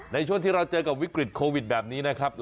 ในช่วงที่เราเจอกับวิกฤตโควิดแบบนี้นะครับ